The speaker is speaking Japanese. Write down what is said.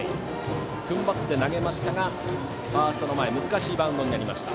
踏ん張って投げましたがファーストの前で難しいバウンドになりました。